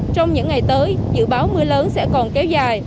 trong những ngày tới dự báo mưa lớn sẽ còn kéo dài